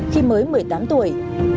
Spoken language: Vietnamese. khi mới một mươi tám tuổi